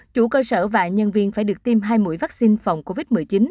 chủ cơ sở và nhân viên phải được tiêm hai mũi vaccine phòng covid một mươi chín